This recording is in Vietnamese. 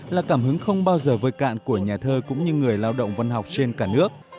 là cảm hứng không bao giờ vơi cạn của nhà thơ cũng như người lao động văn học trên cả nước